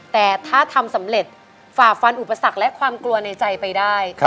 แต่ถ้าทำสำเร็จฝ่าฟันอุปสรรคและความกลัวในใจไปได้